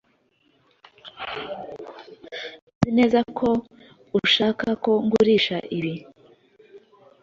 Uzi neza ko ushaka ko ngurisha ibi?